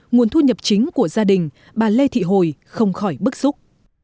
nguồn thu nhập chính của gia đình bà lê thị hồi không khỏi bức xúc